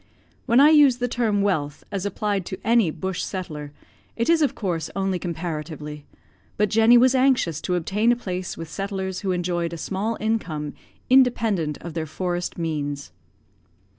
When I use the term wealth as applied to any bush settler, it is of course only comparatively; but Jenny was anxious to obtain a place with settlers who enjoyed a small income independent of their forest means.